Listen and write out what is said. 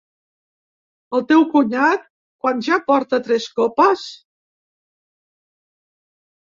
El teu cunyat quan ja porta tres copes?